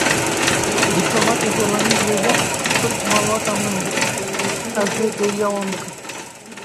Dîplomatê Holandî dibêje; kurd malbata min in; ez dê bêriya wan bikim.